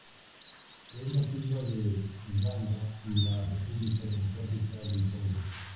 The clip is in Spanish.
Es nativa de Uganda y la República Democrática del Congo.